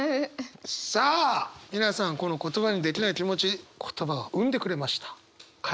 さあ皆さんこの言葉にできない気持ち言葉を生んでくれましたカエラさん。